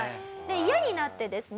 イヤになってですね